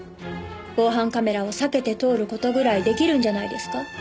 防犯カメラを避けて通る事ぐらい出来るんじゃないですか？